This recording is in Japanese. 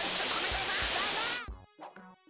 だな！